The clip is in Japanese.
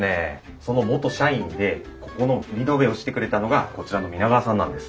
その元社員でここのリノベをしてくれたのがこちらの皆川さんなんです。